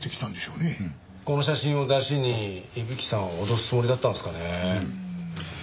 この写真をダシに伊吹さんを脅すつもりだったんですかね。